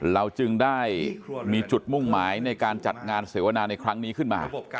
เราจึงได้มีจุดมุ่งหมายในการจัดงานเสวนาในครั้งนี้ขึ้นมา